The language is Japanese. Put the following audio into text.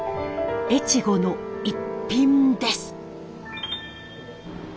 越後の逸品です。